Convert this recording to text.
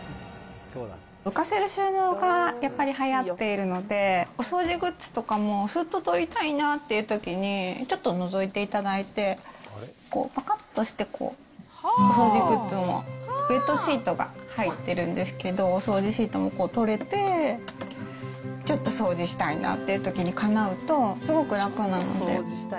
浮かせる収納がやっぱりはやっているので、お掃除グッズとかもすっと取りたいなっていうときに、ちょっとのぞいていただいて、ぱかっとして、お掃除グッズのウエットシートが入ってるんですけど、お掃除シートも取れて、ちょっと掃除したいなってときにかなうと、すごく楽なので。